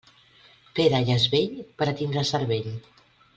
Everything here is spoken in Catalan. Pere ja és vell per a tindre cervell.